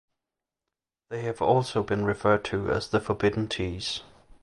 They have also been referred to as the Forbidden Ts.